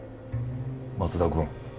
松田君。